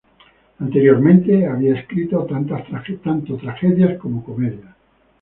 Anteriormente había escrito tanto tragedias como comedias.